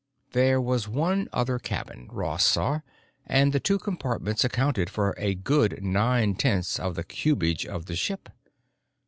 There was one other cabin, Ross saw; and the two compartments accounted for a good nine tenths of the cubage of the ship.